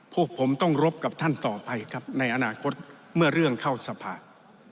พวกผมต้องรบกับท่านต่อไปครับในอนาคตเมื่อเรื่องเข้าสภา